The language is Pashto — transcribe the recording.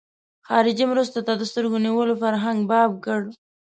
خارجي مرستو ته د سترګو نیولو فرهنګ باب کړ.